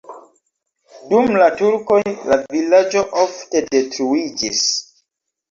Dum la turkoj la vilaĝo ofte detruiĝis.